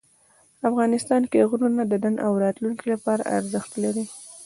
افغانستان کې غرونه د نن او راتلونکي لپاره ارزښت لري.